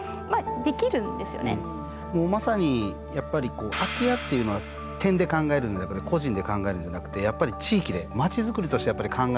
もうまさにやっぱり空き家っていうのは点で考えるんじゃなくて個人で考えるんじゃなくてやっぱり地域で町づくりとしてやっぱり考えていきたいなと。